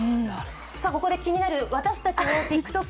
ここで気になる私たちのＴｉｋＴｏｋ